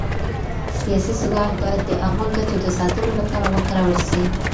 سياسي ځواک بايد د عامه ګټو د ساتلو لپاره وکارول سي.